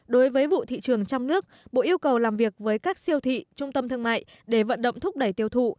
đối với vụ thị trường trong nước bộ yêu cầu làm việc với các siêu thị trung tâm thương mại để vận động thúc đẩy tiêu thụ